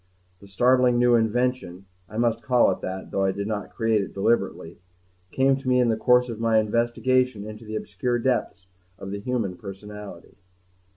The startling new invention I must call it that, though I did not create it deliberately came to me in the course of my investigations into the obscure depths of the human personality.